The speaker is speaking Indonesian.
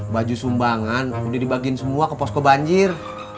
baju sumbangan udah dibagiin semua ke posko banjir